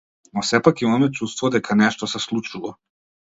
Но сепак имаме чувство дека нешто се случува.